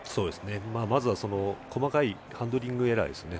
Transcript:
まずは細かいハンドリングエラーですね。